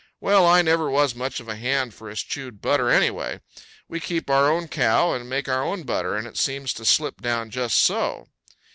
Well, I never was much of a hand for eschewed butter anyway. We keep our own cow and make our own butter and it seems to slip down, just so.